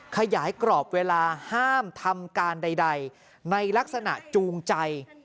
ขยายกรอบเวลาห้ามทำการใดในลักษณะจูงใจ